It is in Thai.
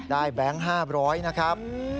แบงค์๕๐๐นะครับ